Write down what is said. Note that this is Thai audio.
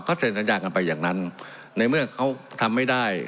เขาเซ็นสัญญากันไปอย่างนั้นในเมื่อเขาทำไม่ได้